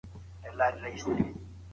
سياست په ټولنيزو اړيکو کي ژورې ريښې لري.